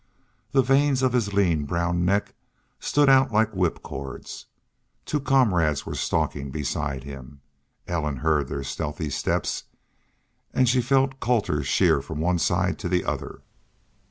The veins of his lean, brown neck stood out like whipcords. Two comrades were stalking beside him. Ellen heard their stealthy steps, and she felt Colter sheer from one side or the other.